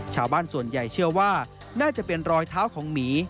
ชาวบ้านส่วนใหญ่เชื่อว่าน่าจะเป็นรอยเท้าของหมี